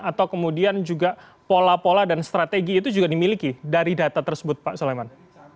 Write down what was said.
atau kemudian juga pola pola dan strategi itu juga dimiliki dari data tersebut pak soleman